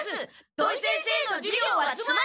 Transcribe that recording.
土井先生の授業はつまります！